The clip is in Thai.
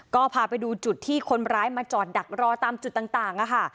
ก็พาไปดูจุดที่คนร้ายมาจอดดักรอตามจุดต่างค่ะ